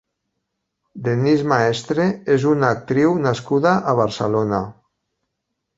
Denise Maestre és una actriu nascuda a Barcelona.